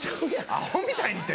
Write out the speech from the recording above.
「アホみたいに」って。